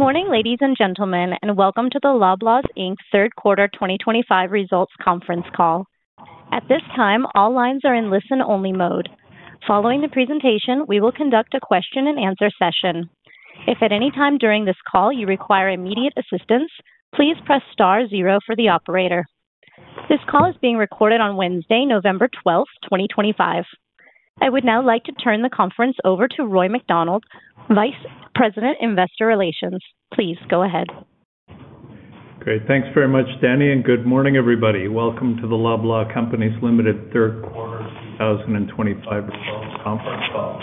Good morning, ladies and gentlemen, and welcome to the Loblaw's Inc Third Quarter 2025 Results Conference Call. At this time, all lines are in listen-only mode. Following the presentation, we will conduct a question-and-answer session. If at any time during this call you require immediate assistance, please press star zero for the operator. This call is being recorded on Wednesday, November 12th, 2025. I would now like to turn the conference over to Roy MacDonald, Vice President, Investor Relations. Please go ahead. Great. Thanks very much, Danny, and good morning, everybody. Welcome to the Loblaw Companies Limited Third Quarter 2025 Results Conference Call.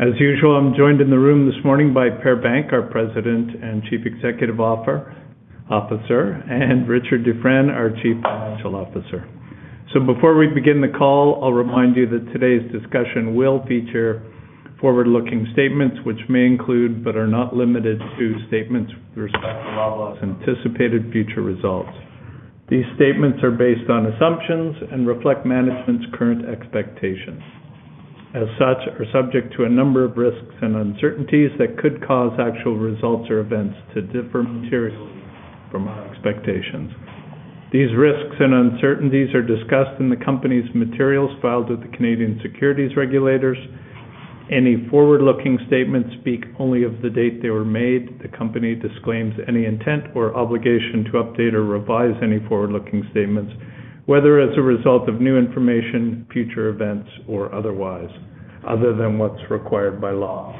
As usual, I'm joined in the room this morning by Per Bank, our President and Chief Executive Officer, and Richard Dufresne, our Chief Financial Officer. Before we begin the call, I'll remind you that today's discussion will feature forward-looking statements, which may include but are not limited to statements with respect to Loblaw's anticipated future results. These statements are based on assumptions and reflect management's current expectations. As such, they are subject to a number of risks and uncertainties that could cause actual results or events to differ materially from our expectations. These risks and uncertainties are discussed in the company's materials filed with the Canadian securities regulators. Any forward-looking statements speak only of the date they were made. The company disclaims any intent or obligation to update or revise any forward-looking statements, whether as a result of new information, future events, or otherwise, other than what is required by law.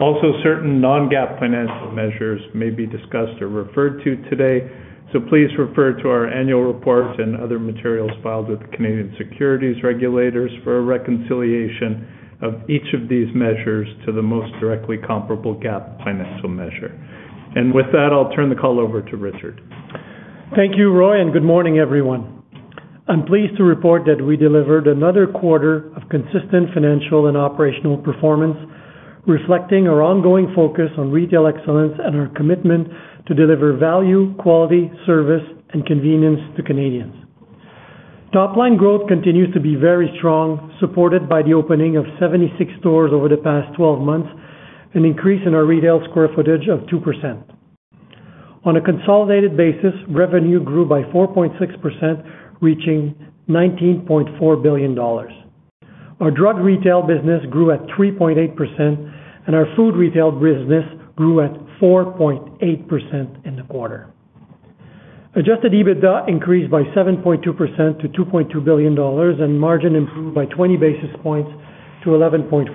Also, certain non-GAAP financial measures may be discussed or referred to today, so please refer to our annual report and other materials filed with the Canadian securities regulators for a reconciliation of each of these measures to the most directly comparable GAAP financial measure. With that, I will turn the call over to Richard. Thank you, Roy, and good morning, everyone. I'm pleased to report that we delivered another quarter of consistent financial and operational performance, reflecting our ongoing focus on retail excellence and our commitment to deliver value, quality, service, and convenience to Canadians. Top-line growth continues to be very strong, supported by the opening of 76 stores over the past 12 months, an increase in our retail square footage of 2%. On a consolidated basis, revenue grew by 4.6%, reaching 19.4 billion dollars. Our drug retail business grew at 3.8%, and our food retail business grew at 4.8% in the quarter. Adjusted EBITDA increased by 7.2% to 2.2 billion dollars, and margin improved by 20 basis points to 11.4%.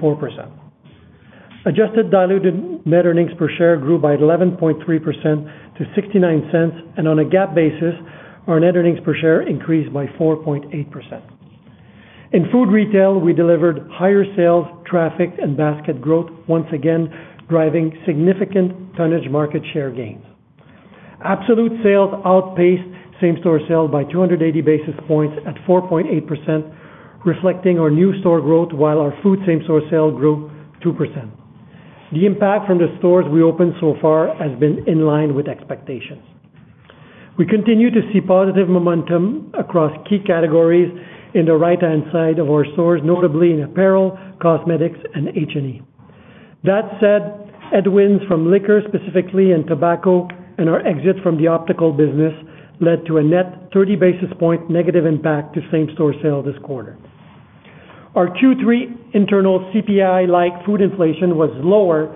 Adjusted diluted net earnings per share grew by 11.3% to 0.69, and on a GAAP basis, our net earnings per share increased by 4.8%. In food retail, we delivered higher sales, traffic, and basket growth, once again driving significant tonnage market share gains. Absolute sales outpaced same-store sales by 280 basis points at 4.8%, reflecting our new store growth, while our food same-store sales grew 2%. The impact from the stores we opened so far has been in line with expectations. We continue to see positive momentum across key categories in the right-hand side of our stores, notably in apparel, cosmetics, and H&E. That said, headwinds from liquor specifically and tobacco and our exit from the optical business led to a net 30 basis point negative impact to same-store sales this quarter. Our Q3 internal CPI-like food inflation was lower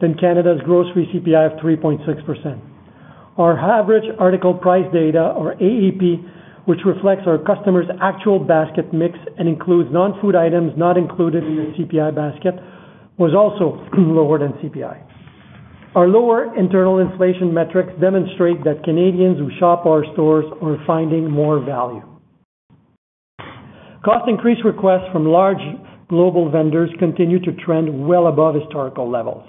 than Canada's grocery CPI of 3.6%. Our average article price data, or AEP, which reflects our customers' actual basket mix and includes non-food items not included in the CPI basket, was also lower than CPI. Our lower internal inflation metrics demonstrate that Canadians who shop our stores are finding more value. Cost increase requests from large global vendors continue to trend well above historical levels.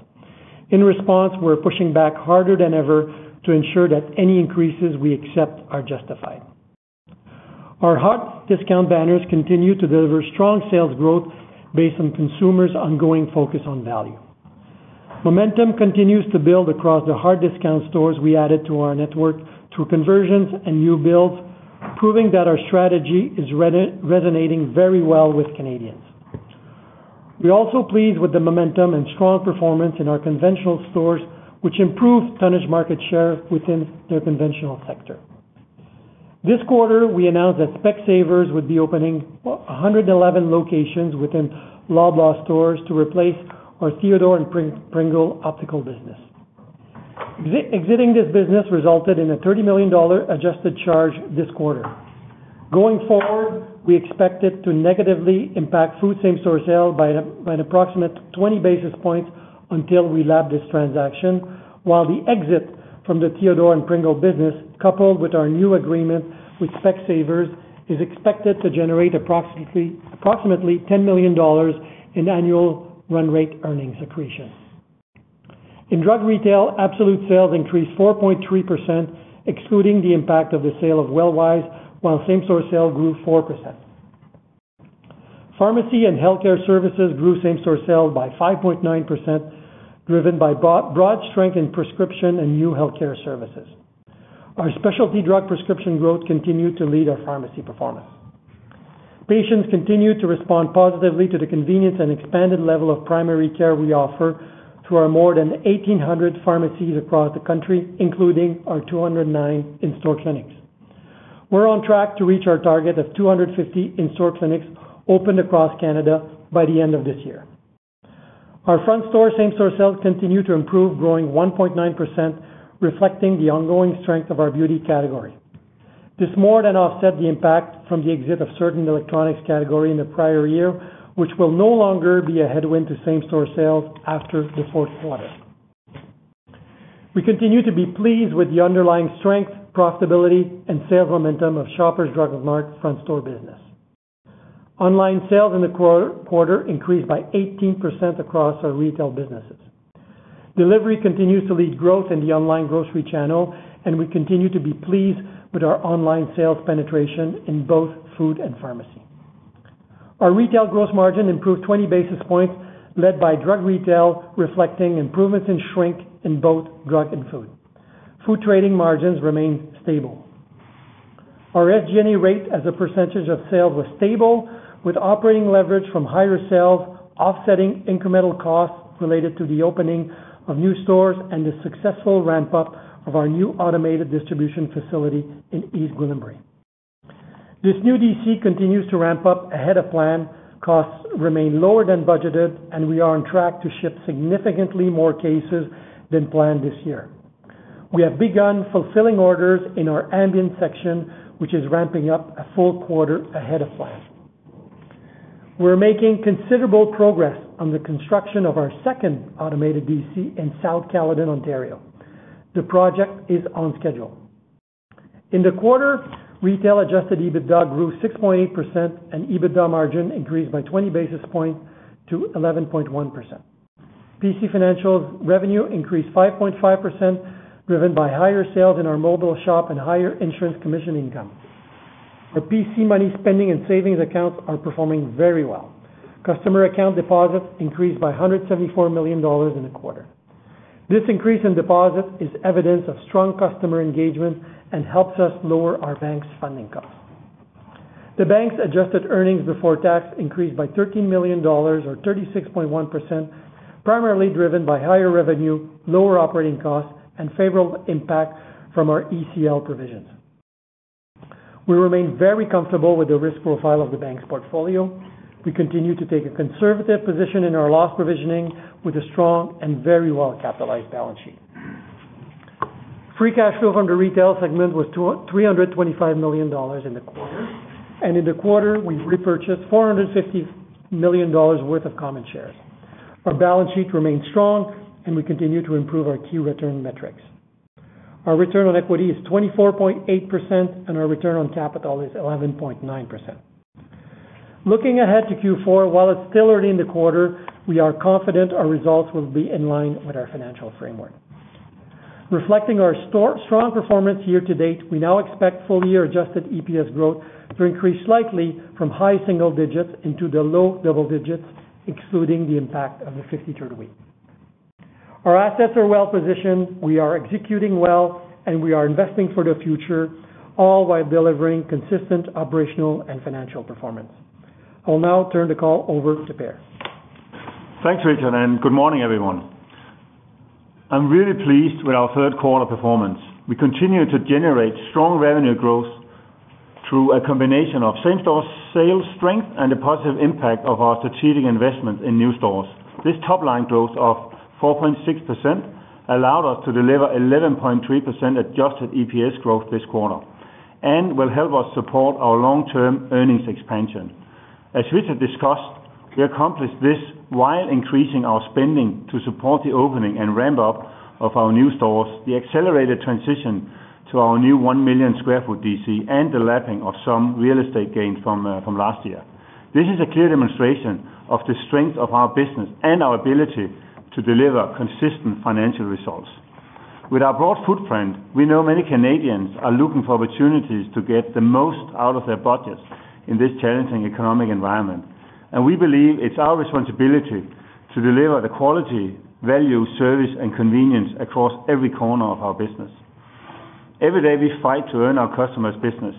In response, we're pushing back harder than ever to ensure that any increases we accept are justified. Our hard discount banners continue to deliver strong sales growth based on consumers' ongoing focus on value. Momentum continues to build across the hard discount stores we added to our network through conversions and new builds, proving that our strategy is resonating very well with Canadians. We're also pleased with the momentum and strong performance in our conventional stores, which improved tonnage market share within their conventional sector. This quarter, we announced that Specsavers would be opening 111 locations within Loblaw stores to replace our Theodore and Pringle optical business. Exiting this business resulted in a 30 million dollar adjusted charge this quarter. Going forward, we expect it to negatively impact food same-store sales by an approximate 20 basis points until we lap this transaction, while the exit from the Theodore and Pringle business, coupled with our new agreement with Specsavers, is expected to generate approximately 10 million dollars in annual run rate earnings accretion. In drug retail, absolute sales increased 4.3%, excluding the impact of the sale of Wellwise, while same-store sales grew 4%. Pharmacy and healthcare services grew same-store sales by 5.9%, driven by broad strength in prescription and new healthcare services. Our specialty drug prescription growth continued to lead our pharmacy performance. Patients continue to respond positively to the convenience and expanded level of primary care we offer through our more than 1,800 pharmacies across the country, including our 209 in-store clinics. We are on track to reach our target of 250 in-store clinics opened across Canada by the end of this year. Our front-store same-store sales continue to improve, growing 1.9%, reflecting the ongoing strength of our beauty category. This more than offsets the impact from the exit of certain electronics categories in the prior year, which will no longer be a headwind to same-store sales after the fourth quarter. We continue to be pleased with the underlying strength, profitability, and sales momentum of Shoppers Drug Mart front-store business. Online sales in the quarter increased by 18% across our retail businesses. Delivery continues to lead growth in the online grocery channel, and we continue to be pleased with our online sales penetration in both food and pharmacy. Our retail gross margin improved 20 basis points, led by drug retail, reflecting improvements in shrink in both drug and food. Food trading margins remained stable. Our SG&A rate as a percentage of sales was stable, with operating leverage from higher sales offsetting incremental costs related to the opening of new stores and the successful ramp-up of our new automated distribution facility in East Gwillimbury. This new DC continues to ramp up ahead of plan. Costs remain lower than budgeted, and we are on track to ship significantly more cases than planned this year. We have begun fulfilling orders in our ambient section, which is ramping up a full quarter ahead of plan. We're making considerable progress on the construction of our second automated DC in South Caledon, Ontario. The project is on schedule. In the quarter, retail adjusted EBITDA grew 6.8%, and EBITDA margin increased by 20 basis points to 11.1%. PC Financial revenue increased 5.5%, driven by higher sales in our mobile shop and higher insurance commission income. Our PC Money spending and savings accounts are performing very well. Customer account deposits increased by 174 million dollars in the quarter. This increase in deposits is evidence of strong customer engagement and helps us lower our bank's funding costs. The bank's adjusted earnings before tax increased by 13 million dollars, or 36.1%, primarily driven by higher revenue, lower operating costs, and favorable impact from our ECL provisions. We remain very comfortable with the risk profile of the bank's portfolio. We continue to take a conservative position in our loss provisioning with a strong and very well-capitalized balance sheet. Free cash flow from the retail segment was 325 million dollars in the quarter, and in the quarter, we repurchased 450 million dollars worth of common shares. Our balance sheet remained strong, and we continue to improve our key return metrics. Our return on equity is 24.8%, and our return on capital is 11.9%. Looking ahead to Q4, while it's still early in the quarter, we are confident our results will be in line with our financial framework. Reflecting our strong performance year to date, we now expect full-year adjusted EPS growth to increase slightly from high single-digits into the low double digits, excluding the impact of the 53rd week. Our assets are well-positioned, we are executing well, and we are investing for the future, all while delivering consistent operational and financial performance. I'll now turn the call over to Per. Thanks, Richard, and good morning, everyone. I'm really pleased with our third quarter performance. We continue to generate strong revenue growth through a combination of same-store sales strength and the positive impact of our strategic investment in new stores. This top-line growth of 4.6% allowed us to deliver 11.3% adjusted EPS growth this quarter and will help us support our long-term earnings expansion. As Richard discussed, we accomplished this while increasing our spending to support the opening and ramp-up of our new 1 million sq ft DC, and the lapping of some real estate gains from last year. This is a clear demonstration of the strength of our business and our ability to deliver consistent financial results. With our broad footprint, we know many Canadians are looking for opportunities to get the most out of their budgets in this challenging economic environment, and we believe it is our responsibility to deliver the quality, value, service, and convenience across every corner of our business. Every day, we fight to earn our customers' business,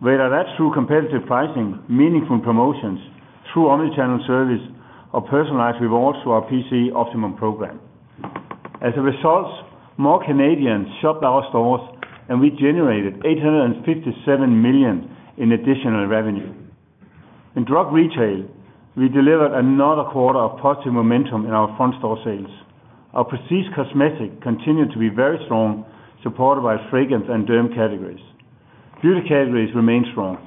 whether that is through competitive pricing, meaningful promotions, through omnichannel service, or personalized rewards through our PC Optimum program. As a result, more Canadians shopped our stores, and we generated 857 million in additional revenue. In drug retail, we delivered another quarter of positive momentum in our front-store sales. Our prestige cosmetic continued to be very strong, supported by fragrance and derm categories. Beauty categories remained strong.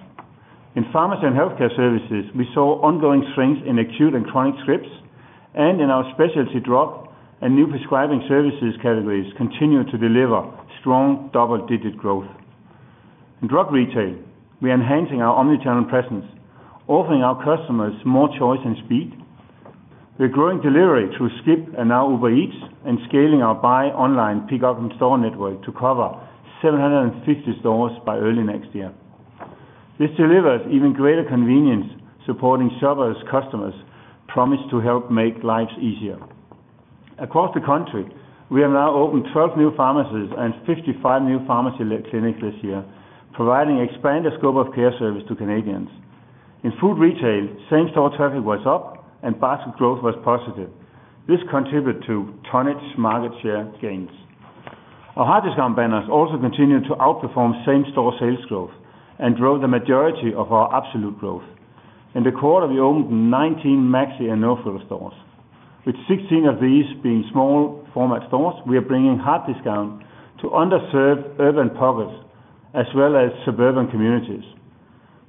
In pharmacy and healthcare services, we saw ongoing strength in acute and chronic scripts, and in our specialty drug and new prescribing services categories continued to deliver strong double-digit growth. In drug retail, we are enhancing our omnichannel presence, offering our customers more choice and speed. We are growing delivery through Skip and now Uber Eats, and scaling our buy online pickup and store network to cover 750 stores by early next year. This delivers even greater convenience, supporting Shoppers customers promise to help make lives easier. Across the country, we have now opened 12 new pharmacies and 55 new pharmacy clinics this year, providing an expanded scope of care service to Canadians. In food retail, same-store traffic was up, and basket growth was positive. This contributed to tonnage market share gains. Our hot discount banners also continue to outperform same-store sales growth and drove the majority of our absolute growth. In the quarter, we opened 19 Maxi and No Frills stores. With 16 of these being small-format stores, we are bringing hot discounts to underserved urban pockets as well as Suburban communities.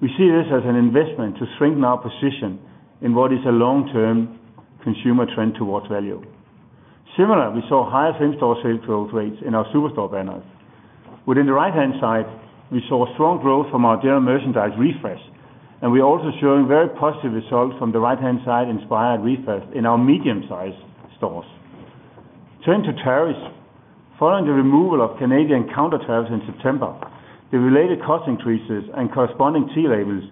We see this as an investment to strengthen our position in what is a long-term consumer trend towards value. Similarly, we saw higher same-store sales growth rates in our superstore banners. Within the right-hand side, we saw strong growth from our general merchandise refresh, and we are also showing very positive results from the right-hand side-inspired refresh in our medium-sized stores. Turning to tariffs, following the removal of Canadian countertariffs in September, the related cost increases and corresponding tea labels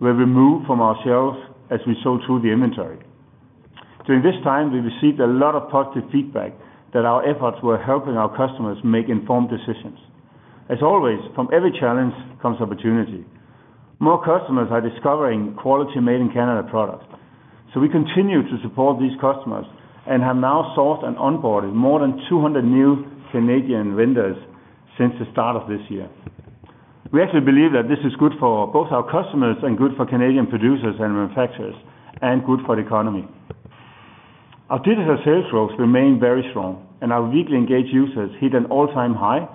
were removed from our shelves as we sold through the inventory. During this time, we received a lot of positive feedback that our efforts were helping our customers make informed decisions. As always, from every challenge comes opportunity. More customers are discovering quality Made in Canada products, so we continue to support these customers and have now sourced and onboarded more than 200 new Canadian vendors since the start of this year. We actually believe that this is good for both our customers and good for Canadian producers and manufacturers, and good for the economy. Our digital sales growth remained very strong, and our weekly engaged users hit an all-time high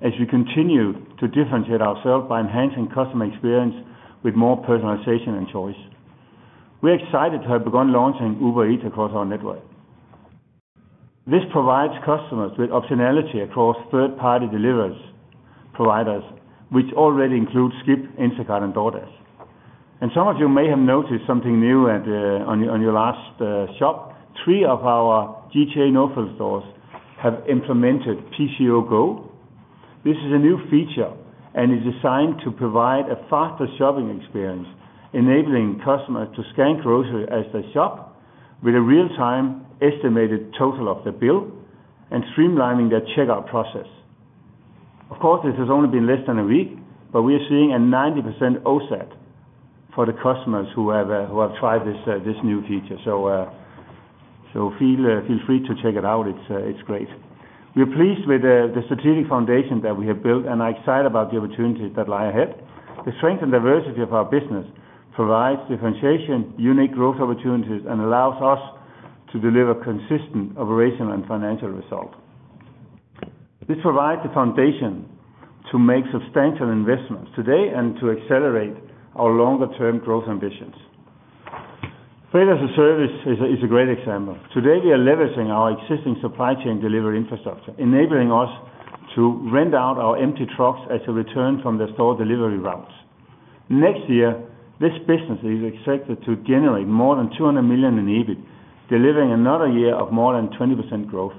as we continue to differentiate ourselves by enhancing customer experience with more personalization and choice. We are excited to have begun launching Uber Eats across our network. This provides customers with optionality across third-party delivery providers, which already include Skip, Instacart, and DoorDash. Some of you may have noticed something new on your last shop. Three of our GTA No Frills stores have implemented PCO Go. This is a new feature and is designed to provide a faster shopping experience, enabling customers to scan groceries as they shop with a real-time estimated total of the bill and streamlining their checkout process. Of course, this has only been less than a week, but we are seeing a 90% offset for the customers who have tried this new feature, so feel free to check it out. It's great. We are pleased with the strategic foundation that we have built, and I'm excited about the opportunities that lie ahead. The strength and diversity of our business provides differentiation, unique growth opportunities, and allows us to deliver consistent operational and financial results. This provides the foundation to make substantial investments today and to accelerate our longer-term growth ambitions. Freight as a service is a great example. Today, we are leveraging our existing supply chain delivery infrastructure, enabling us to rent out our empty trucks as a return from the store delivery routes. Next year, this business is expected to generate more than 200 million in EBIT, delivering another year of more than 20% growth.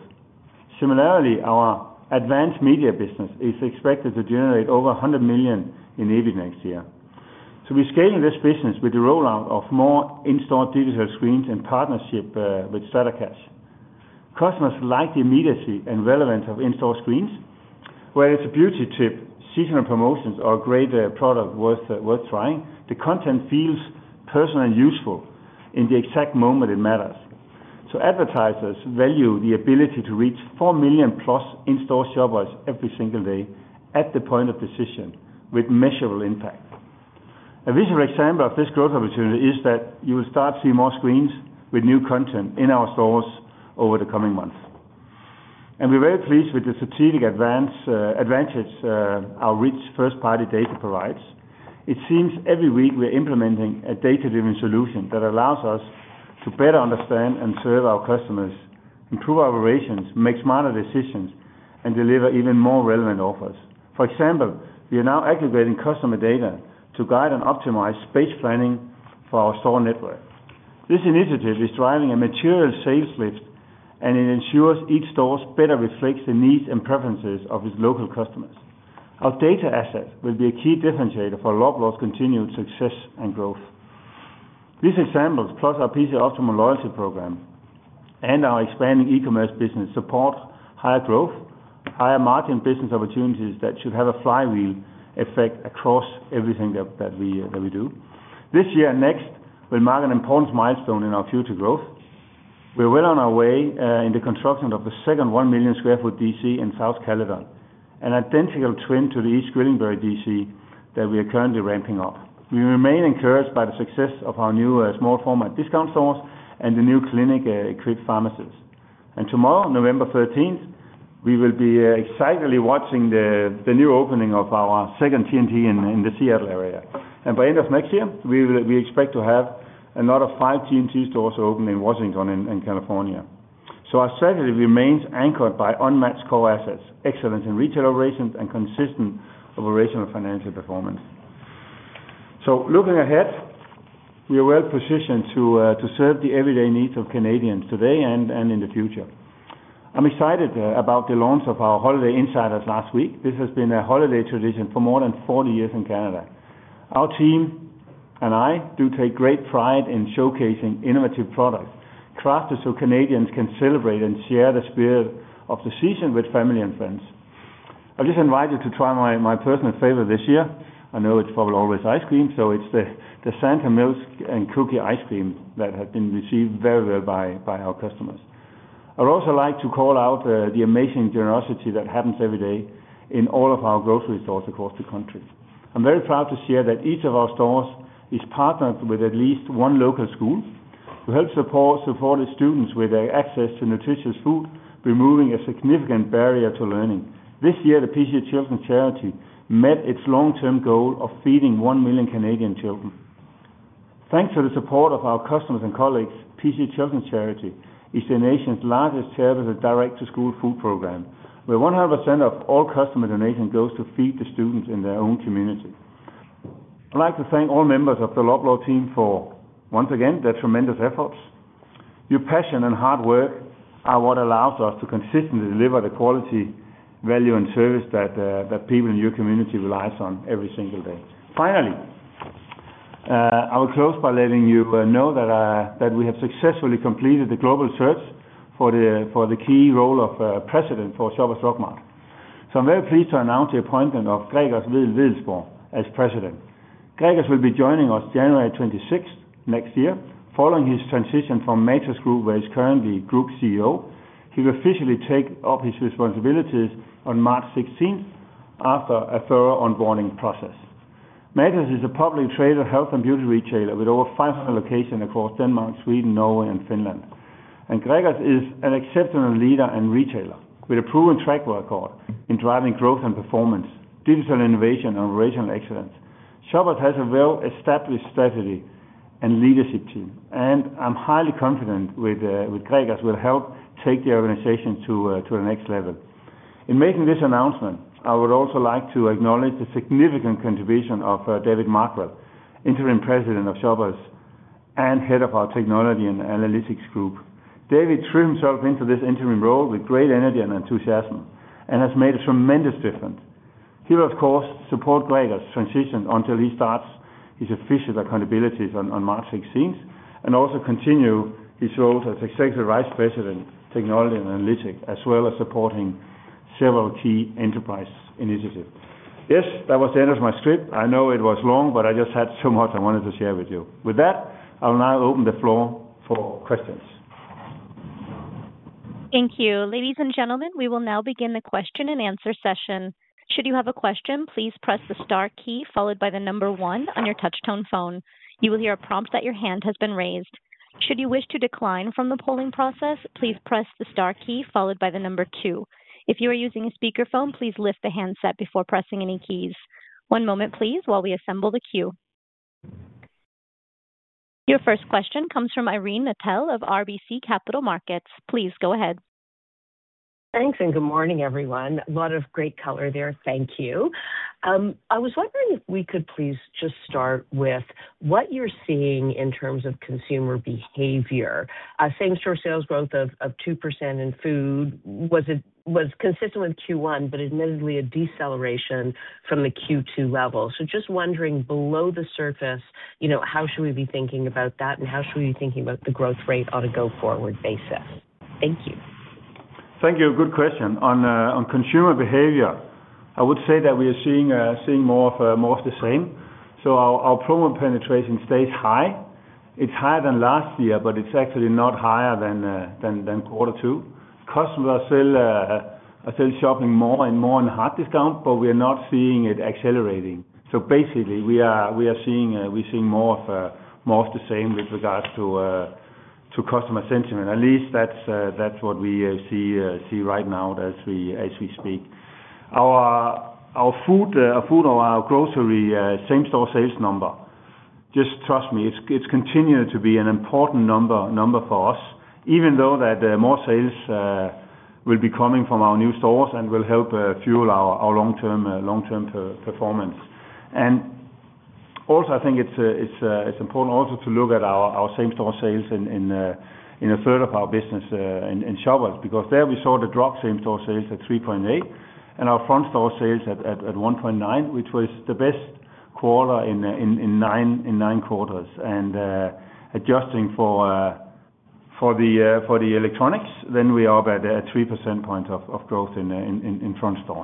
Similarly, our advanced media business is expected to generate over 100 million in EBIT next year. We are scaling this business with the rollout of more in-store digital screens in partnership with Stratacache. Customers like the immediacy and relevance of in-store screens. Whether it is a beauty tip, seasonal promotions, or a great product worth trying, the content feels personal and useful in the exact moment it matters. Advertisers value the ability to reach 4 million-plus in-store shoppers every single day at the point of decision with measurable impact. A visual example of this growth opportunity is that you will start to see more screens with new content in our stores over the coming months. We are very pleased with the strategic advantage our rich first-party data provides. It seems every week we are implementing a data-driven solution that allows us to better understand and serve our customers, improve our operations, make smarter decisions, and deliver even more relevant offers. For example, we are now aggregating customer data to guide and optimize space planning for our store network. This initiative is driving a material sales lift, and it ensures each store better reflects the needs and preferences of its local customers. Our data assets will be a key differentiator for Loblaw's continued success and growth. These examples, plus our PC Optimum loyalty program and our expanding e-commerce business, support higher growth, higher margin business opportunities that should have a flywheel effect across everything that we do. This year and next will mark an important milestone in our future growth. We are well on our way in the construction of the second 1 million sq ft DC in South Caledon, an identical twin to the East Gwillimbury DC that we are currently ramping up. We remain encouraged by the success of our new small-format discount stores and the new clinic-equipped pharmacies. Tomorrow, November 13th, we will be excitedly watching the new opening of our second T&T in the Seattle area. By the end of next year, we expect to have another five T&T stores open in Washington and California. Our strategy remains anchored by unmatched core assets, excellence in retail operations, and consistent operational financial performance. Looking ahead, we are well-positioned to serve the everyday needs of Canadians today and in the future. I'm excited about the launch of our holiday insiders last week. This has been a holiday tradition for more than 40 years in Canada. Our team and I do take great pride in showcasing innovative products crafted so Canadians can celebrate and share the spirit of the season with family and friends. I'll just invite you to try my personal favorite this year. I know it's probably always ice cream, so it's the Santa Milk and Cookie ice cream that has been received very well by our customers. I'd also like to call out the amazing generosity that happens every day in all of our grocery stores across the country. I'm very proud to share that each of our stores is partnered with at least one local school to help support the students with their access to nutritious food, removing a significant barrier to learning. This year, the PC Children's Charity met its long-term goal of feeding 1 million Canadian children. Thanks to the support of our customers and colleagues, PC Children's Charity is the nation's largest charitable direct-to-school food program, where 100% of all customer donations go to feed the students in their own community. I'd like to thank all members of the Loblaw team for, once again, their tremendous efforts. Your passion and hard work are what allows us to consistently deliver the quality, value, and service that people in your community rely on every single day. Finally, I will close by letting you know that we have successfully completed the global search for the key role of president for Shoppers Drug Mart. I am very pleased to announce the appointment of Greger Wedell-Wedellsborg as president. Greger will be joining us January 26th next year, following his transition from Matos Group, where he is currently Group CEO. He will officially take up his responsibilities on March 16th after a thorough onboarding process. Matos is a publicly traded health and beauty retailer with over 500 locations across Denmark, Sweden, Norway, and Finland. Gregor is an exceptional leader and retailer with a proven track record in driving growth and performance, digital innovation, and operational excellence. Shoppers has a well-established strategy and leadership team, and I am highly confident Greger will help take the organization to the next level. In making this announcement, I would also like to acknowledge the significant contribution of David Marquell, interim president of Shoppers and head of our technology and analytics group. David threw himself into this interim role with great energy and enthusiasm and has made a tremendous difference. He will, of course, support Greger's transition until he starts his official accountabilities on March 16th and also continue his roles as Executive Vice President, technology and analytics, as well as supporting several key enterprise initiatives. Yes, that was the end of my script. I know it was long, but I just had so much I wanted to share with you. With that, I'll now open the floor for questions. Thank you. Ladies and gentlemen, we will now begin the question and answer session. Should you have a question, please press the star key followed by the number one on your touch-tone phone. You will hear a prompt that your hand has been raised. Should you wish to decline from the polling process, please press the star key followed by the number two. If you are using a speakerphone, please lift the handset before pressing any keys. One moment, please, while we assemble the queue. Your first question comes from Irene Nattel of RBC Capital Markets. Please go ahead. Thanks, and good morning, everyone. A lot of great color there. Thank you. I was wondering if we could please just start with what you're seeing in terms of consumer behavior. Same-store sales growth of 2% in food was consistent with Q1, but admittedly a deceleration from the Q2 level. Just wondering, below the surface, how should we be thinking about that, and how should we be thinking about the growth rate on a go-forward basis? Thank you. Thank you. Good question. On consumer behavior, I would say that we are seeing more of the same. Our promo penetration stays high. It is higher than last year, but it is actually not higher than quarter two. Customers are still shopping more and more on hot discount, but we are not seeing it accelerating. We are seeing more of the same with regards to customer sentiment. At least that is what we see right now as we speak. Our food or our grocery same-store sales number, just trust me, it continues to be an important number for us, even though more sales will be coming from our new stores and will help fuel our long-term performance. I think it's important also to look at our same-store sales in a third of our business in Shoppers because there we saw the dropped same-store sales at 3.8% and our front-store sales at 1.9%, which was the best quarter in nine quarters. Adjusting for the electronics, then we are up at 3 percentage points of growth in front store.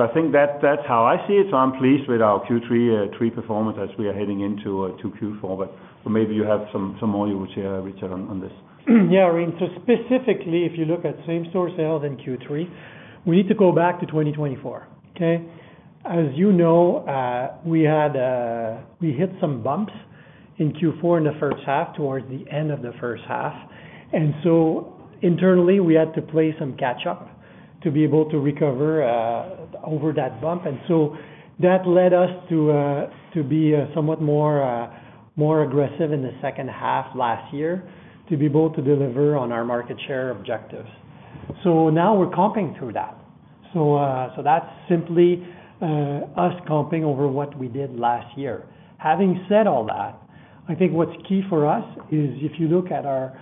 I think that's how I see it. I'm pleased with our Q3 performance as we are heading into Q4, but maybe you have some more you would share on this. Yeah, Irene. Specifically, if you look at same-store sales in Q3, we need to go back to 2024. As you know, we hit some bumps in Q4 in the first half towards the end of the first half. Internally, we had to play some catch-up to be able to recover over that bump. That led us to be somewhat more aggressive in the second half last year to be able to deliver on our market share objectives. Now we're comping through that. That's simply us comping over what we did last year. Having said all that, I think what's key for us is if you look at our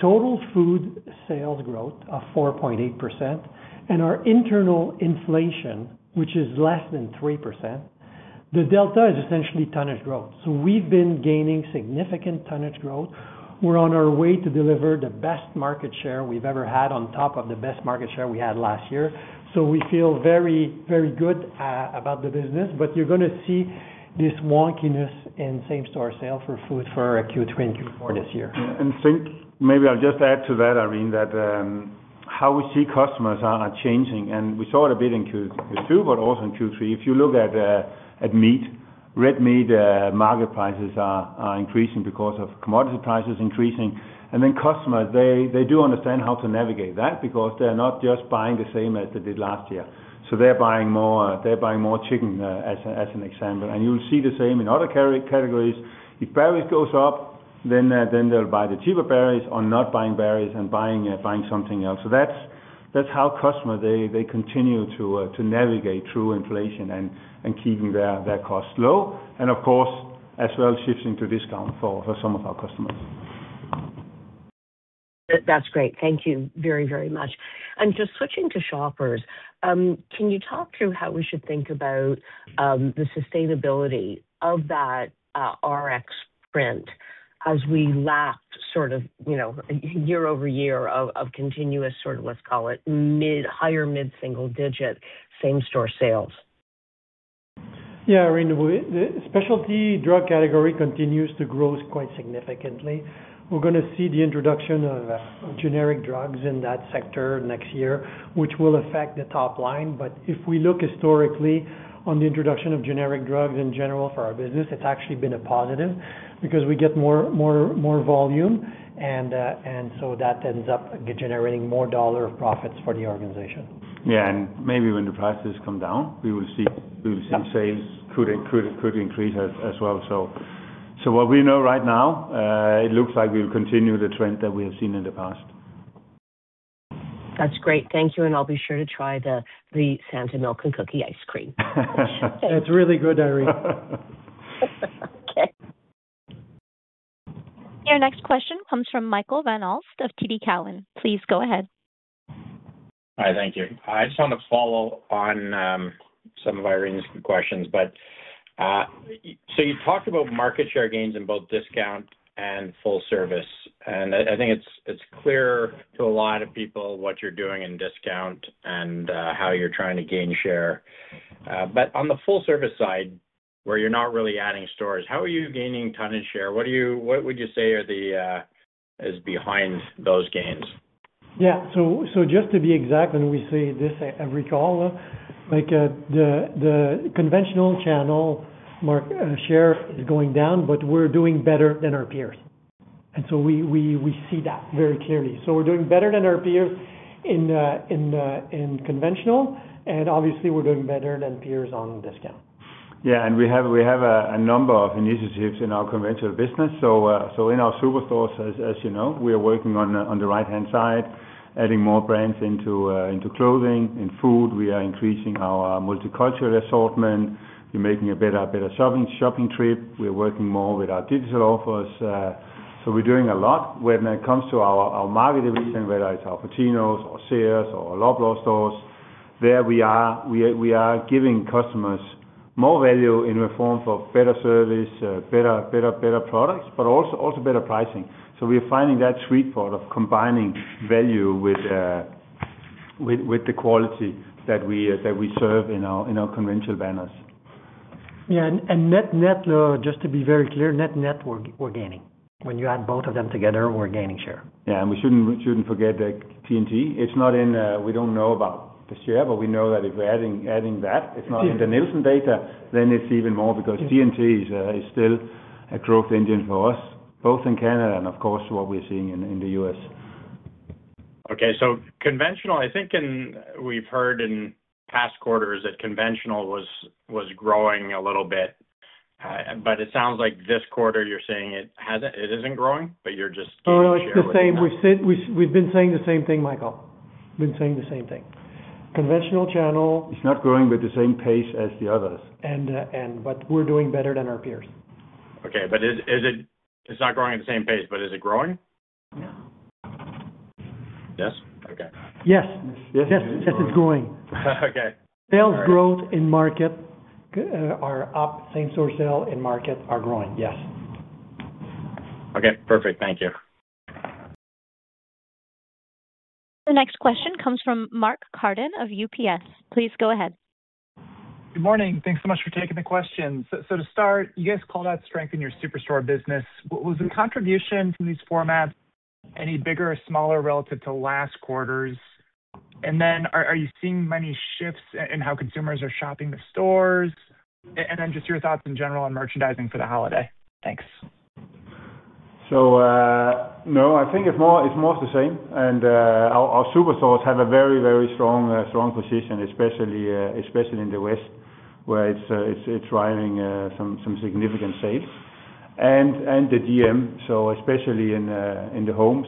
total food sales growth of 4.8% and our internal inflation, which is less than 3%, the delta is essentially tonnage growth. We've been gaining significant tonnage growth. We're on our way to deliver the best market share we've ever had on top of the best market share we had last year. We feel very good about the business, but you're going to see this wonkiness in same-store sales for food for Q3 and Q4 this year. I think maybe I'll just add to that, Irene, that how we see customers are changing. We saw it a bit in Q2, but also in Q3. If you look at meat, red meat market prices are increasing because of commodity prices increasing. Customers, they do understand how to navigate that because they're not just buying the same as they did last year. They're buying more chicken, as an example. You'll see the same in other categories. If berries go up, they'll buy the cheaper berries or not buying berries and buying something else. That's how customers, they continue to navigate through inflation and keeping their costs low. Of course, as well, shifting to discount for some of our customers. That's great. Thank you very, very much. Just switching to Shoppers, can you talk through how we should think about the sustainability of that RX print as we lapped sort of year-over-year of continuous sort of, let's call it, higher mid-single-digit same-store sales? Yeah, Irene. The specialty drug category continues to grow quite significantly. We're going to see the introduction of generic drugs in that sector next year, which will affect the top line. If we look historically on the introduction of generic drugs in general for our business, it's actually been a positive because we get more volume, and that ends up generating more dollar profits for the organization. Maybe when the prices come down, we will see sales could increase as well. What we know right now, it looks like we will continue the trend that we have seen in the past. That's great. Thank you. I'll be sure to try the Santa Milk and Cookie Ice Cream. That's really good, Irene. Okay. Your next question comes from Michael Van Aelst of TD Cowen. Please go ahead. Hi. Thank you. I just want to follow on some of Irene's questions. You talked about market share gains in both discount and full service. I think it's clear to a lot of people what you're doing in discount and how you're trying to gain share. On the full-service side, where you're not really adding stores, how are you gaining tonnage share? What would you say is behind those gains? Yeah. Just to be exact, and we say this every call, the conventional channel share is going down, but we're doing better than our peers. We see that very clearly. We're doing better than our peers in conventional, and obviously, we're doing better than peers on discount. Yeah. We have a number of initiatives in our conventional business. In our superstores, as you know, we are working on the right-hand side, adding more brands into clothing. In food, we are increasing our multicultural assortment. We're making a better shopping trip. We're working more with our digital offers. We're doing a lot when it comes to our market division, whether it's Al Pacinos or Sears or Loblaw stores. We are giving customers more value in the form of better service, better products, but also better pricing. We're finding that sweet spot of combining value with the quality that we serve in our conventional banners. Yeah. Net, just to be very clear, net network gaining. When you add both of them together, we're gaining share. Yeah. We shouldn't forget that T&T. It's not in, we don't know about this year, but we know that if we're adding that, it's not in the Nielsen data, then it's even more because T&T is still a growth engine for us, both in Canada and, of course, what we're seeing in the U.S.. Okay. Conventional, I think we've heard in past quarters that conventional was growing a little bit. It sounds like this quarter you're saying it isn't growing, but you're just gaining share with it. Oh, no. It's the same. We've been saying the same thing, Michael. We've been saying the same thing. Conventional channel. It's not growing with the same pace as the others. We're doing better than our peers. It's not growing at the same pace, but is it growing? Yes? Yes. Yes. Yes. Yes. It's growing. Sales growth in market are up. Same-store sales in market are growing. Yes. Perfect. Thank you. The next question comes from Mark Hardin of UBS. Please go ahead. Good morning. Thanks so much for taking the question. To start, you guys called out strength in your superstore business. Was the contribution from these formats any bigger or smaller relative to last quarters? Are you seeing many shifts in how consumers are shopping the stores? Your thoughts in general on merchandising for the holiday. Thanks. I think it's more of the same. Our superstores have a very, very strong position, especially in the West, where it is driving some significant sales. The DM, so especially in the home.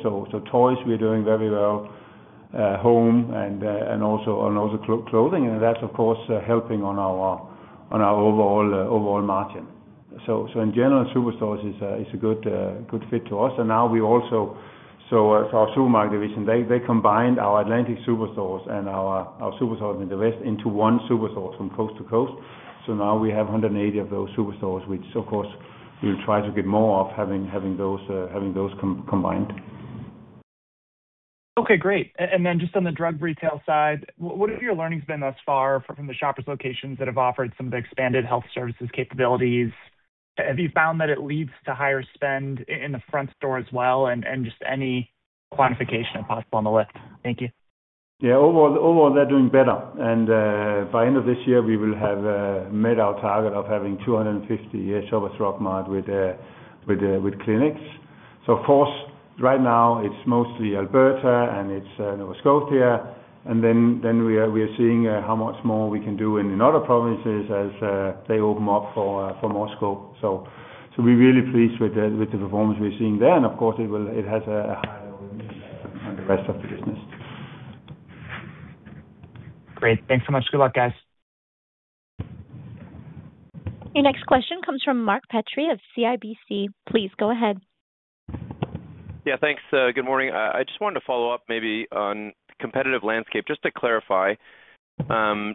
Toys, we are doing very well. Home and also clothing. That is, of course, helping on our overall margin. In general, superstores is a good fit to us. Now we also, our supermarket division, they combined our Atlantic superstores and our superstores in the West into one superstore from coast to coast. Now we have 180 of those superstores, which, of course, we will try to get more of having those combined. Okay. Great. Just on the drug retail side, what have your learnings been thus far from the Shoppers locations that have offered some of the expanded health services capabilities? Have you found that it leads to higher spend in the front store as well and just any quantification possible on the list? Thank you. Yeah. Overall, they're doing better. By end of this year, we will have met our target of having 250 Shoppers Drug Mart with clinics. Of course, right now, it's mostly Alberta, and it's Nova Scotia. We are seeing how much more we can do in other provinces as they open up for more scope. We're really pleased with the performance we're seeing there. It has a high level of impact on the rest of the business. Great. Thanks so much. Good luck, guys. Your next question comes from Mark Petrie of CIBC. Please go ahead. Yeah. Thanks. Good morning. I just wanted to follow up maybe on the competitive landscape. Just to clarify, do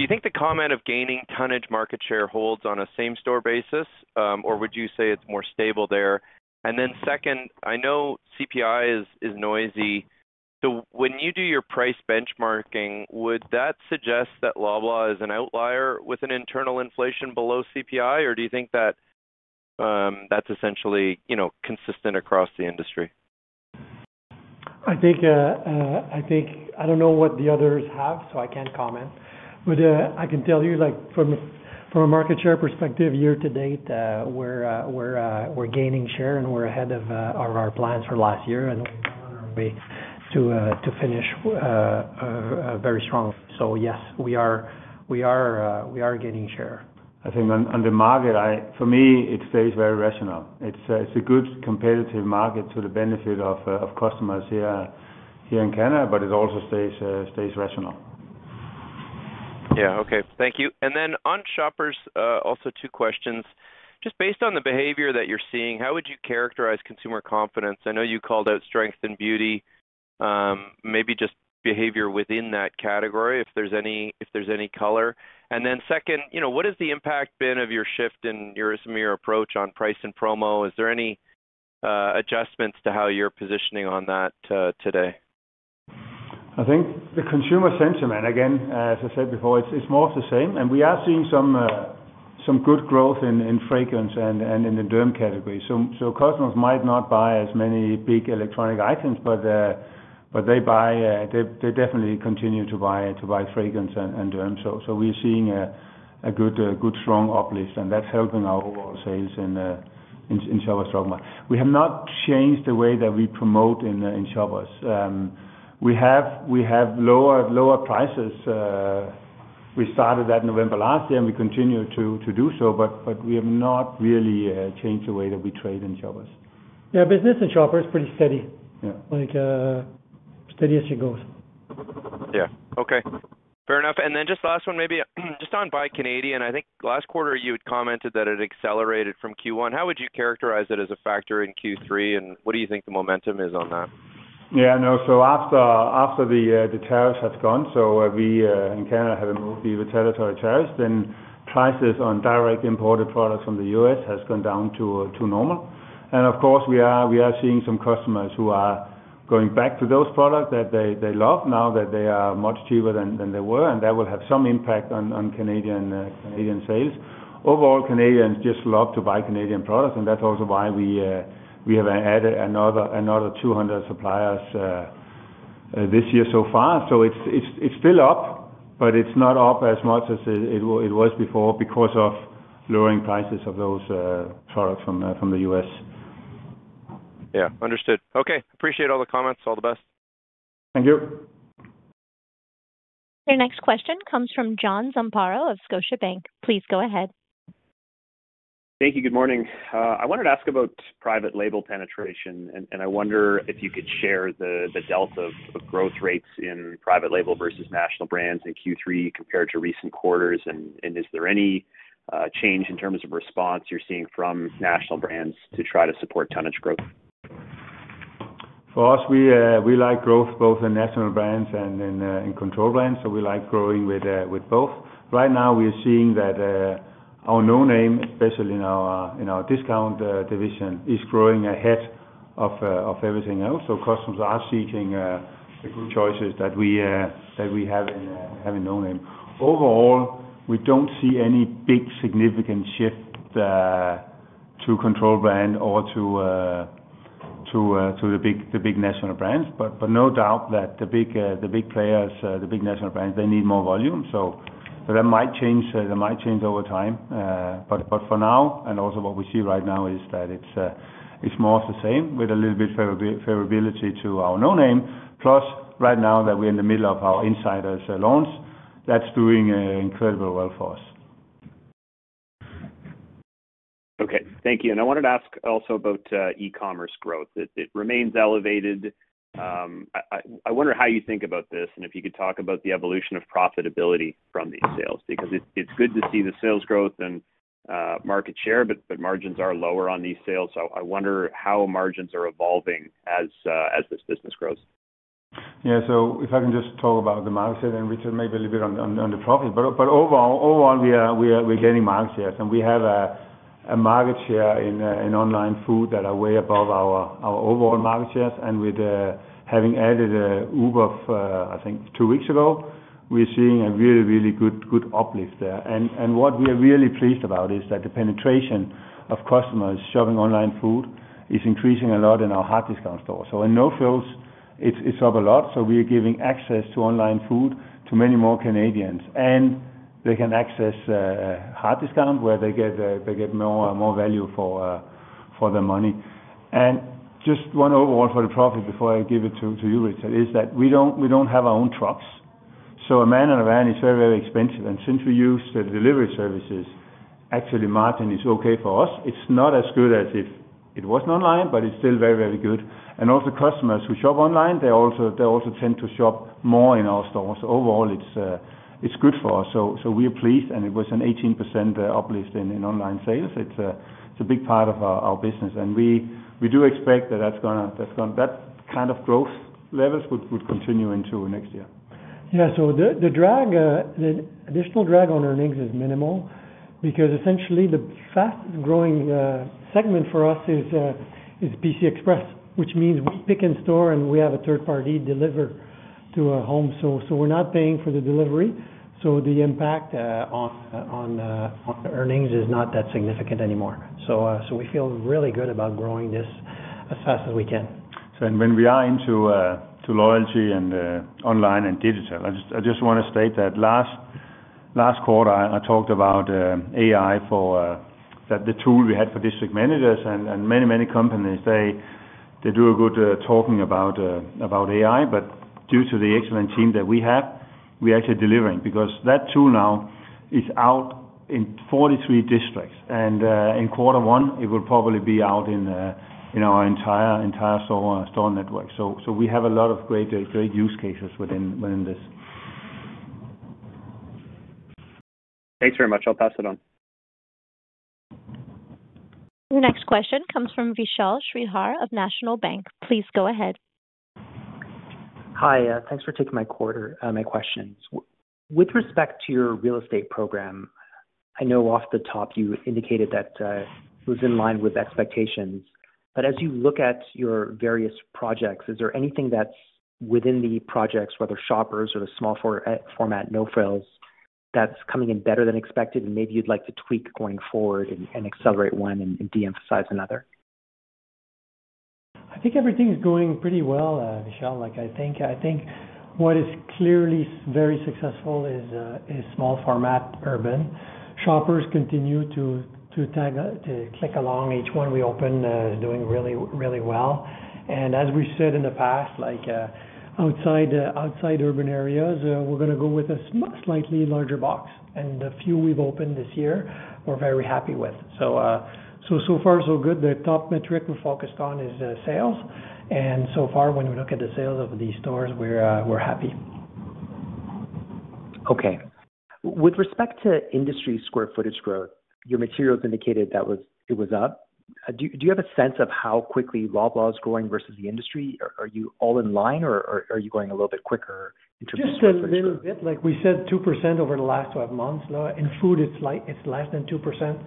you think the comment of gaining tonnage market share holds on a same-store basis, or would you say it's more stable there? Then second, I know CPI is noisy. When you do your price benchmarking, would that suggest that Loblaw is an outlier with an internal inflation below CPI, or do you think that that's essentially consistent across the industry? I don't know what the others have, so I can't comment. I can tell you from a market share perspective, year to date, we're gaining share, and we're ahead of our plans for last year. We're on our way to finish very strongly. Yes, we are gaining share. I think on the market, for me, it stays very rational. It's a good competitive market to the benefit of customers here in Canada, but it also stays rational. Yeah. Okay. Thank you. On Shoppers, also two questions. Just based on the behavior that you're seeing, how would you characterize consumer confidence? I know you called out strength in beauty, maybe just behavior within that category if there's any color. Second, what has the impact been of your shift in some of your approach on price and promo? Is there any adjustments to how you're positioning on that today? I think the consumer sentiment, again, as I said before, it's more of the same. We are seeing some good growth in fragrance and in the derm category. Customers might not buy as many big electronic items, but they definitely continue to buy fragrance and derm. We're seeing a good, strong uplift, and that's helping our overall sales in Shoppers Drug Mart. We have not changed the way that we promote in Shoppers. We have lower prices. We started that November last year, and we continue to do so, but we have not really changed the way that we trade in Shoppers. Yeah. Business in Shoppers is pretty steady. Steady as it goes. Yeah. Okay. Fair enough. Then just last one, maybe just on Buy Canadian. I think last quarter, you had commented that it accelerated from Q1. How would you characterize it as a factor in Q3, and what do you think the momentum is on that? Yeah. No. After the tariffs have gone, so we in Canada have removed the retaliatory tariffs, then prices on direct imported products from the U.S. have gone down to normal. Of course, we are seeing some customers who are going back to those products that they love now that they are much cheaper than they were, and that will have some impact on Canadian sales. Overall, Canadians just love to buy Canadian products, and that's also why we have added another 200 suppliers this year so far. It is still up, but it is not up as much as it was before because of lowering prices of those products from the U.S.. Yeah. Understood. Okay. Appreciate all the comments. All the best. Thank you. Your next question comes from John Zamparo of Scotiabank. Please go ahead. Thank you. Good morning. I wanted to ask about private label penetration, and I wonder if you could share the Delta of growth rates in private label versus national brands in Q3 compared to recent quarters, and is there any change in terms of response you are seeing from national brands to try to support tonnage growth? For us, we like growth both in national brands and in control brands, so we like growing with both. Right now, we are seeing that our no name, especially in our discount division, is growing ahead of everything else. Customers are seeking the good choices that we have in no name. Overall, we do not see any big significant shift to control brand or to the big national brands, but no doubt that the big players, the big national brands, they need more volume. That might change over time. For now, and also what we see right now is that it is more of the same with a little bit of favorability to our no name. Plus, right now that we are in the middle of our Insider Salons, that is doing incredibly well for us. Okay. Thank you. I wanted to ask also about e-commerce growth. It remains elevated. I wonder how you think about this and if you could talk about the evolution of profitability from these sales because it's good to see the sales growth and market share, but margins are lower on these sales. I wonder how margins are evolving as this business grows. Yeah. If I can just talk about the market share and return maybe a little bit on the profits. Overall, we're getting market shares, and we have a market share in online food that are way above our overall market shares. With having added Uber, I think, two weeks ago, we're seeing a really, really good uplift there. What we are really pleased about is that the penetration of customers shopping online food is increasing a lot in our hard discount stores. In No Frills, it's up a lot. We are giving access to online food to many more Canadians. They can access hard discount where they get more value for their money. Just one overall for the profit before I give it to you, Richard, is that we do not have our own trucks. A man and a van is very, very expensive. Since we use the delivery services, actually, margin is okay for us. It is not as good as if it was not online, but it is still very, very good. Also, customers who shop online tend to shop more in our stores. Overall, it is good for us. We are pleased, and it was an 18% uplift in online sales. It is a big part of our business. We do expect that that kind of growth levels would continue into next year. Yeah. The additional drag on earnings is minimal because essentially the fastest growing segment for us is PC Express, which means we pick in store and we have a third-party deliver to a home. We're not paying for the delivery. The impact on earnings is not that significant anymore. We feel really good about growing this as fast as we can. When we are into loyalty and online and digital, I just want to state that last quarter, I talked about AI for the tool we had for district managers. Many, many companies, they do a good talking about AI, but due to the excellent team that we have, we actually are delivering because that tool now is out in 43 districts. In quarter one, it will probably be out in our entire store network. We have a lot of great use cases within this. Thanks very much. I'll pass it on. Your next question comes from Vishal Shreedhar of National Bank. Please go ahead. Hi. Thanks for taking my questions. With respect to your real estate program, I know off the top you indicated that it was in line with expectations. As you look at your various projects, is there anything that's within the projects, whether Shoppers or the small format No Frills, that's coming in better than expected and maybe you'd like to tweak going forward and accelerate one and de-emphasize another? I think everything is going pretty well, Vishal. I think what is clearly very successful is small format urban. Shoppers continue to click along. Each one we open is doing really well. As we said in the past, outside urban areas, we're going to go with a slightly larger box. The few we've opened this year, we're very happy with. So far, so good. The top metric we're focused on is sales. So far, when we look at the sales of these stores, we're happy. Okay. With respect to industry square footage growth, your materials indicated that it was up. Do you have a sense of how quickly Loblaw is growing versus the industry? Are you all in line, or are you going a little bit quicker in terms of sales? Just a little bit. Like we said, 2% over the last 12 months. In food, it's less than 2%.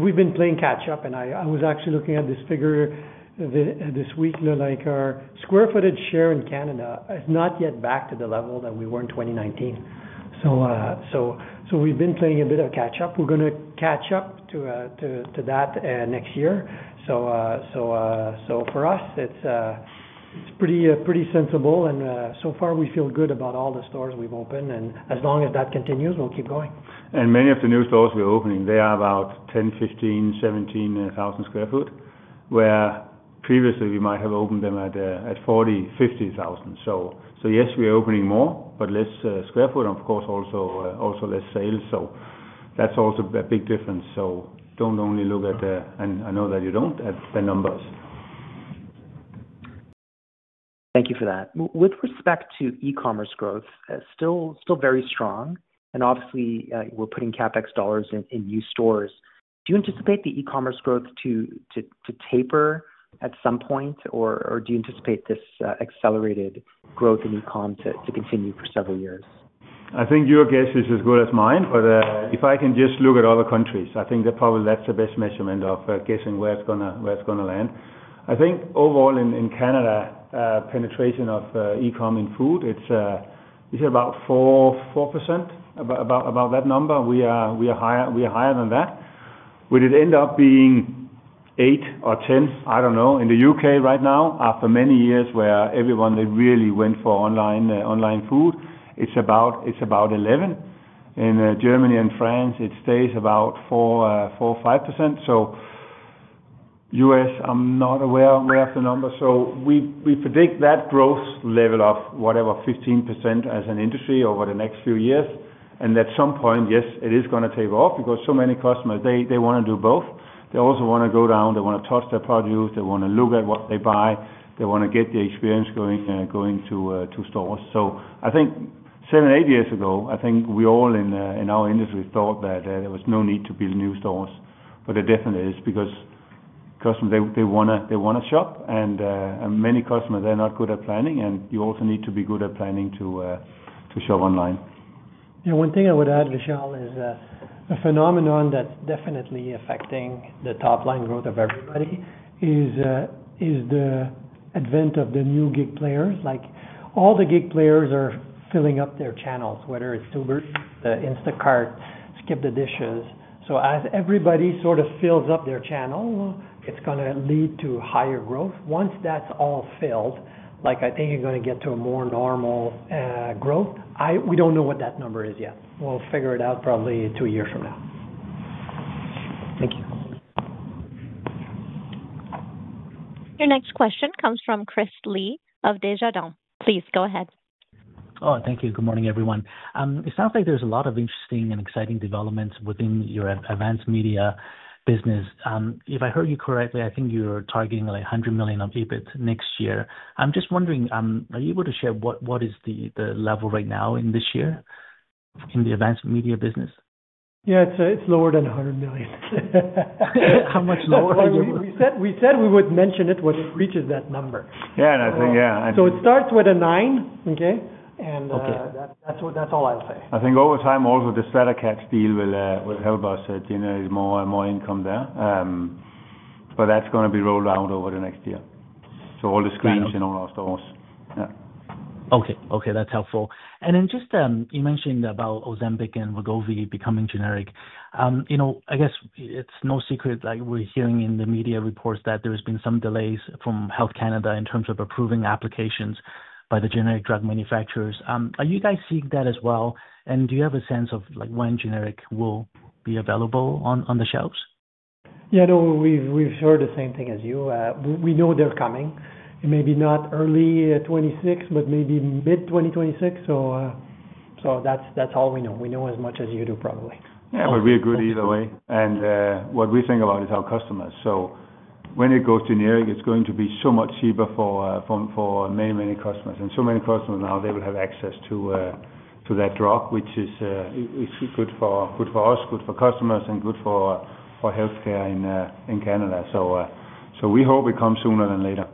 We've been playing catch-up, and I was actually looking at this figure this week. Our square footage share in Canada has not yet backed to the level that we were in 2019. We have been playing a bit of catch-up. We are going to catch up to that next year. For us, it is pretty sensible. So far, we feel good about all the stores we have opened. As long as that continues, we will keep going. Many of the new stores we are opening are about 10, 15, 17,000 sq ft, where previously we might have opened them at 40,000-50,000. Yes, we are opening more, but less square foot and, of course, also less sales. That is also a big difference. Do not only look at the—and I know that you do not—at the numbers. Thank you for that. With respect to e-commerce growth, still very strong. Obviously, we are putting CapEx dollars in new stores. Do you anticipate the e-commerce growth to taper at some point, or do you anticipate this accelerated growth in e-comm to continue for several years? I think your guess is as good as mine, but if I can just look at other countries, I think that probably that's the best measurement of guessing where it's going to land. I think overall in Canada, penetration of e-comm in food, it's about 4%, about that number. We are higher than that. Would it end up being 8% or 10%? I don't know. In the U.K. right now, after many years where everyone really went for online food, it's about 11%. In Germany and France, it stays about 4%-5%. U.S., I'm not aware of the numbers. We predict that growth level of whatever, 15% as an industry over the next few years. At some point, yes, it is going to taper off because so many customers, they want to do both. They also want to go down. They want to touch their produce. They want to look at what they buy. They want to get the experience going to stores. I think seven, eight years ago, I think we all in our industry thought that there was no need to build new stores. It definitely is because customers, they want to shop. Many customers, they're not good at planning, and you also need to be good at planning to shop online. Yeah. One thing I would add, Vishal, is a phenomenon that's definitely affecting the top line growth of everybody is the advent of the new gig players. All the gig players are filling up their channels, whether it's Uber, Instacart, Skip. As everybody sort of fills up their channel, it's going to lead to higher growth. Once that's all filled, I think you're going to get to a more normal growth. We don't know what that number is yet. We'll figure it out probably two years from now. Thank you. Your next question comes from Chris Li of Desjardins. Please go ahead. Oh, thank you. Good morning, everyone. It sounds like there's a lot of interesting and exciting developments within your advanced media business. If I heard you correctly, I think you're targeting $100 million on EBIT next year. I'm just wondering, are you able to share what is the level right now in this year in the advanced media business? Yeah. It's lower than $100 million. How much lower? We said we would mention it when it reaches that number. Yeah. It starts with a 9, okay? That's all I'll say. I think over time, also the Stratacache deal will help us generate more income there. That's going to be rolled out over the next year, so all the screens in all our stores. Yeah. Okay. Okay. That's helpful. You mentioned about Ozempic and Wegovy becoming generic. I guess it's no secret we're hearing in the media reports that there have been some delays from Health Canada in terms of approving applications by the generic drug manufacturers. Are you guys seeing that as well? Do you have a sense of when generic will be available on the shelves? Yeah. No, we've heard the same thing as you. We know they're coming. Maybe not early 2026, but maybe mid-2026. That's all we know. We know as much as you do, probably. Yeah. We agree either way. What we think about is our customers. When it goes generic, it is going to be so much cheaper for many, many customers. So many customers now will have access to that drug, which is good for us, good for customers, and good for healthcare in Canada. We hope it comes sooner than later.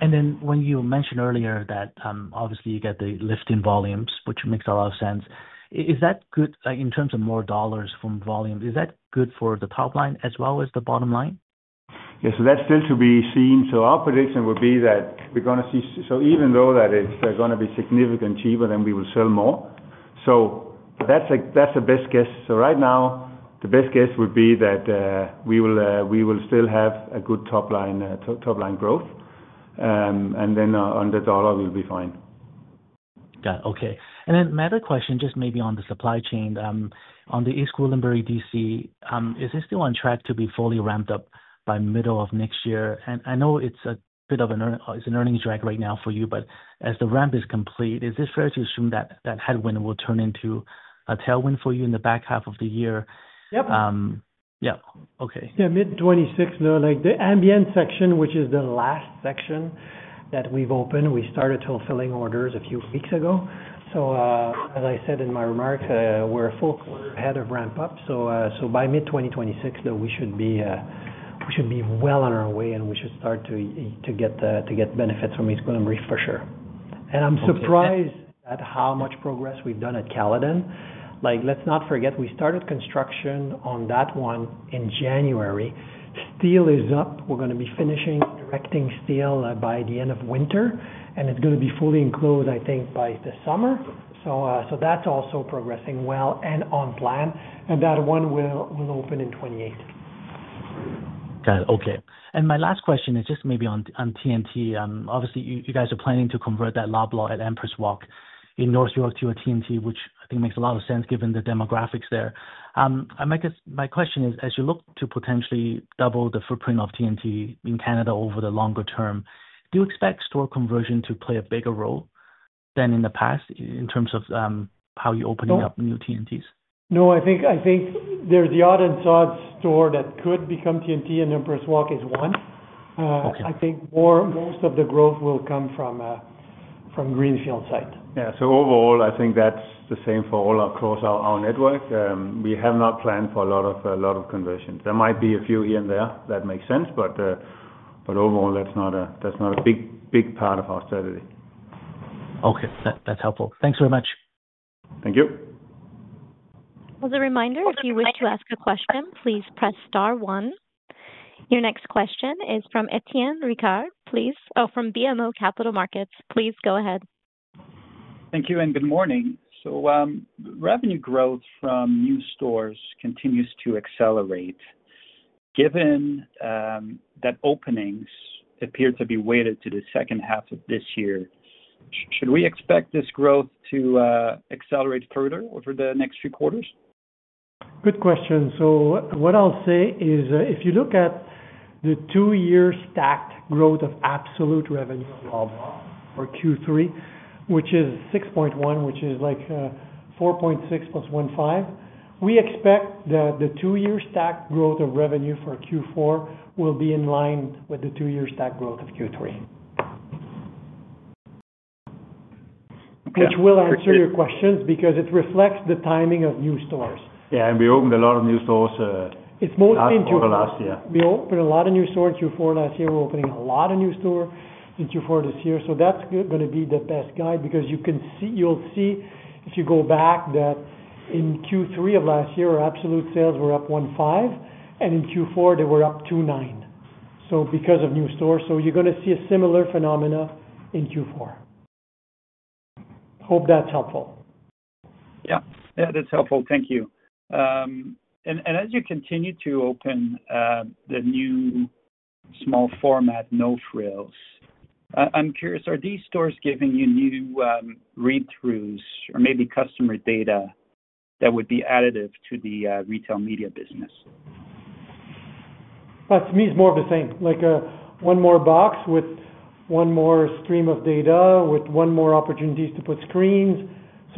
You mentioned earlier that obviously you get the lift in volumes, which makes a lot of sense. Is that good in terms of more dollars from volume? Is that good for the top line as well as the bottom line? Yeah, that is still to be seen. Our prediction would be that we are going to see, even though it is going to be significantly cheaper, we will sell more. That is the best guess. Right now, the best guess would be that we will still have a good top line growth. And then on the dollar, we'll be fine. Got it. Okay. Another question, just maybe on the supply chain. On the East Gwillimbury DC, is this still on track to be fully ramped up by middle of next year? I know it's a bit of an earnings drag right now for you, but as the ramp is complete, is it fair to assume that that headwind will turn into a tailwind for you in the back half of the year? Yep. Yeah. Okay. Yeah. Mid-2026, the ambient section, which is the last section that we've opened, we started fulfilling orders a few weeks ago. As I said in my remarks, we're a full quarter ahead of ramp-up. By mid-2026, we should be well on our way, and we should start to get benefits from East Gwillimbury for sure. I am surprised at how much progress we have done at Caledon. Let's not forget, we started construction on that one in January. Steel is up. We are going to be finishing directing steel by the end of winter. It is going to be fully enclosed, I think, by the summer. That is also progressing well and on plan. That one will open in 2028. Got it. Okay. My last question is just maybe on T&T. Obviously, you guys are planning to convert that Loblaw at Empress Walk in North York to a T&T, which I think makes a lot of sense given the demographics there. My question is, as you look to potentially double the footprint of T&T in Canada over the longer term, do you expect store conversion to play a bigger role than in the past in terms of how you're opening up new T&Ts? No, I think there's the odd and sod store that could become T&T, and Empress Walk is one. I think most of the growth will come from Greenfield site. Yeah. Overall, I think that's the same for all across our network. We have not planned for a lot of conversions. There might be a few here and there that make sense, but overall, that's not a big part of our strategy. Okay. That's helpful. Thanks very much. Thank you. As a reminder, if you wish to ask a question, please press star one. Your next question is from Etienne Ricard. Please, oh, from BMO Capital Markets. Please go ahead. Thank you and good morning. Revenue growth from new stores continues to accelerate. Given that openings appear to be weighted to the second half of this year, should we expect this growth to accelerate further over the next few quarters? Good question. What I'll say is, if you look at the two-year stacked growth of absolute revenue of Loblaw for Q3, which is 6.1, which is like 4.6+1.5, we expect that the two-year stacked growth of revenue for Q4 will be in line with the two-year stacked growth of Q3, which will answer your questions because it reflects the timing of new stores. Yeah. We opened a lot of new stores, mostly in Q4 last year. We opened a lot of new stores in Q4 last year. We're opening a lot of new stores in Q4 this year. That is going to be the best guide because you will see, if you go back, that in Q3 of last year, our absolute sales were up 1.5, and in Q4, they were up 2.9. Because of new stores, you are going to see a similar phenomenon in Q4. Hope that is helpful. Yeah. Yeah. That is helpful. Thank you. As you continue to open the new small format No Frills, I am curious, are these stores giving you new read-throughs or maybe customer data that would be additive to the retail media business? To me, it is more of the same. One more box with one more stream of data with one more opportunities to put screens.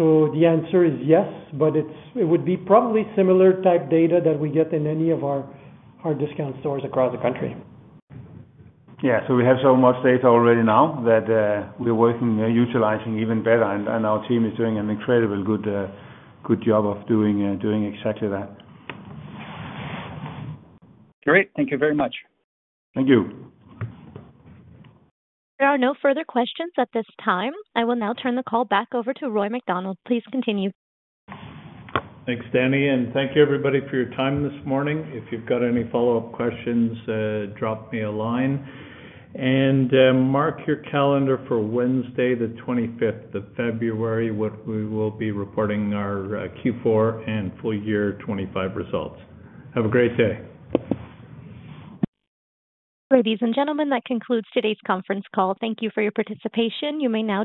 The answer is yes, but it would be probably similar type data that we get in any of our discount stores across the country. Yeah. We have so much data already now that we're utilizing even better. Our team is doing an incredible good job of doing exactly that. Great. Thank you very much. Thank you. There are no further questions at this time. I will now turn the call back over to Roy MacDonald. Please continue. Thanks, Danny. Thank you, everybody, for your time this morning. If you've got any follow-up questions, drop me a line. Mark your calendar for Wednesday, the 25th of February, when we will be reporting our Q4 and full year 2025 results. Have a great day. Ladies and gentlemen, that concludes today's conference call. Thank you for your participation. You may now.